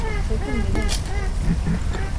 Sakın deneme.